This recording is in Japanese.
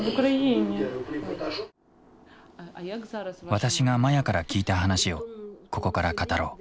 私がマヤから聞いた話をここから語ろう。